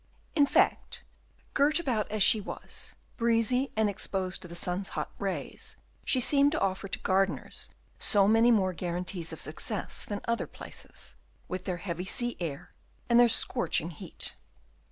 In fact, girt about as she was, breezy and exposed to the sun's hot rays, she seemed to offer to gardeners so many more guarantees of success than other places, with their heavy sea air, and their scorching heat.